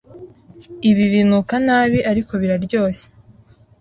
Ibi binuka nabi, ariko biraryoshye.